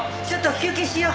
ちょっと手。